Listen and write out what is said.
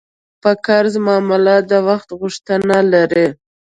په قرض معامله د وخت غوښتنه لري.